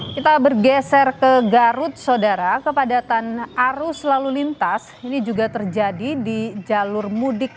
kita bergeser ke garut saudara kepadatan arus lalu lintas ini juga terjadi di jalur mudik